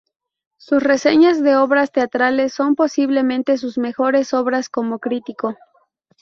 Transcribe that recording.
Sus reseñas de obras teatrales son posiblemente sus mejores obras como crítico.